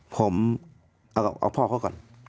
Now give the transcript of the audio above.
ผมเอาพ่อเขาก่อน